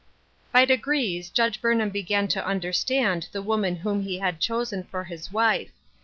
Y degrees Judge Burnham began to un derstand the woman whom he had chosen for his wife.